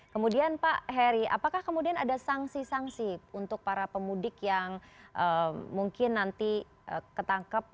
kemudian pak heri apakah kemudian ada sanksi sanksi untuk para pemudik yang mungkin nanti ketangkep